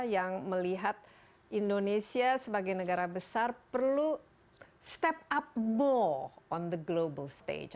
yang melihat indonesia sebagai negara besar perlu step up more on the global stage